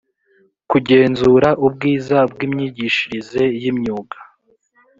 kugenzura ubwiza bw imyigishirize y imyuga